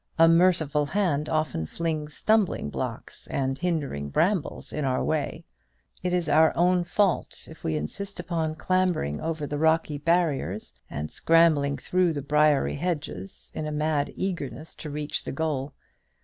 A merciful hand often flings stumbling blocks and hindering brambles in our way. It is our own fault if we insist upon clambering over the rocky barriers, and scrambling through the briery hedges, in a mad eagerness to reach the goal.